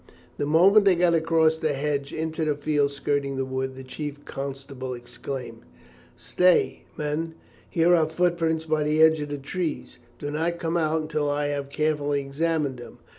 The moment they got across the hedge into the fields skirting the wood the chief constable exclaimed: "Stay, men; here are footprints by the edge of the trees! Do not come out until I have carefully examined them.